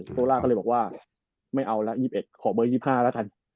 โซล่าก็เลยบอกว่าไม่เอาละ๒๑ขอเบอร์๒๕แล้วกัน